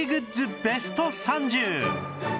ベスト３０